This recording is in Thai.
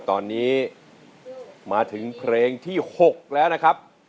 ตอนนี้มาถึงเพลงที่๖แล้วนะครับ